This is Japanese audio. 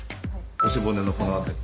腰骨のこの辺り。